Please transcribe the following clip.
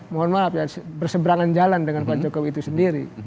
mohon maaf ya berseberangan jalan dengan pak jokowi itu sendiri